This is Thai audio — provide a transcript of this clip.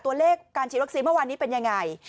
ตัวเลขการฉีดวัคซีนเมื่อวานนี้เป็นยังไง